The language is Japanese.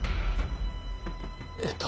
えっと。